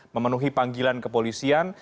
memenuhi panggilan kepolisian